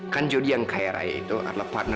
kan jodi yang kaya raya itu adalah partner